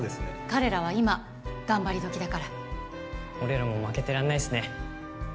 彼らは今頑張り時だから俺らも負けてらんないすね